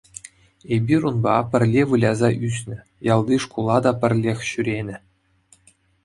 Эпир унпа пӗрле выляса ӳснӗ, ялти шкула та пӗрлех ҫӳренӗ.